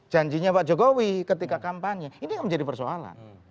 janjinya pak jokowi ketika kampanye ini yang menjadi persoalan